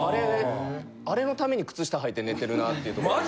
あれのために靴下はいて寝てるなっていうところ。